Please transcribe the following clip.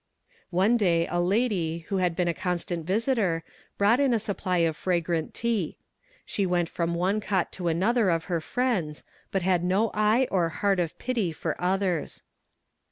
One day a lady, who had been a constant visitor, brought in a supply of fragrant tea. She went from one cot to another of her friends, but had no eye or heart of pity for others.